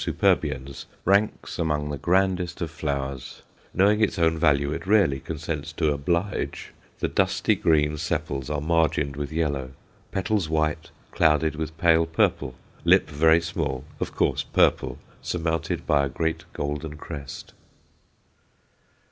superbiens_, ranks among the grandest of flowers knowing its own value, it rarely consents to "oblige;" the dusky green sepals are margined with yellow, petals white, clouded with pale purple, lip very small, of course, purple, surmounted by a great golden crest.